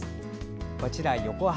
こちら横浜。